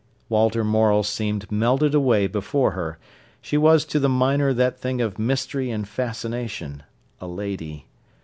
Walter Morel seemed melted away before her. She was to the miner that thing of mystery and fascination, a lady.